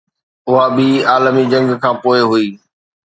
اها ٻي عالمي جنگ کان پوءِ هئي